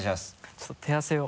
ちょっと手汗を。